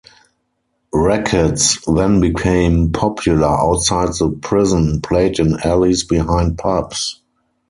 Rackets then became popular outside the prison, played in alleys behind pubs.